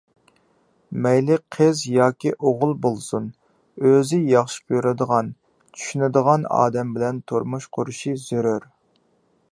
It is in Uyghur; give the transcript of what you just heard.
مەيلى قىز ياكى ئوغۇل بولسۇن، ئۆزى ياخشى كۆرىدىغان، چۈشىنىدىغان ئادەم بىلەن تۇرمۇش قۇرۇشى زۆرۈر.